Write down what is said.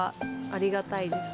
ありがたいです